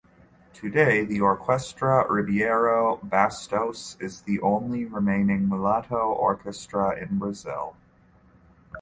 Today the Orquestra Ribeiro Bastos is the only remaining mulatto orchestra in Brazil.